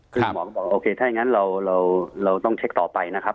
คุณหมอบอกว่าโอเคถ้างั้นเราต้องเช็คต่อไปนะครับ